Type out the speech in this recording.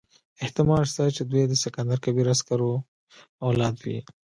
احتمال شته چې دوی د سکندر کبیر د عسکرو اولاد وي.